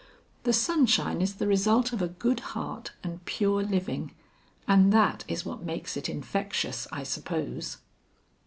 The sunshine is the result of a good heart and pure living, and that is what makes it infectious, I suppose."